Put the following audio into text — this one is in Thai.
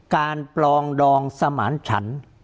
การปองดองสมรรณชัน